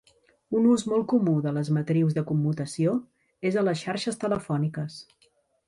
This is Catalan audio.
Un ús molt comú de les matrius de commutació és a les xarxes telefòniques.